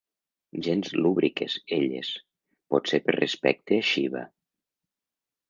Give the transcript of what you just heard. Gens lúbriques, elles, potser per respecte a Shiva.